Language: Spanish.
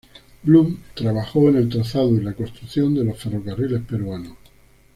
Blume trabajó en el trazado y la construcción de los ferrocarriles peruanos.